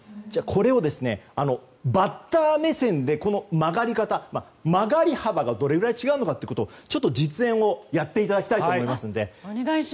これをバッター目線でこの曲がり方曲がり幅がどれくらい違うのかちょっと実演をやっていただきたいと思います。